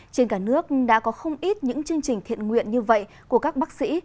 trên cả nước đã có không ít những chương trình thiện nguyện như vậy của các bác sĩ